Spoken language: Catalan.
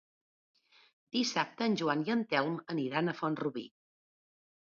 Dissabte en Joan i en Telm aniran a Font-rubí.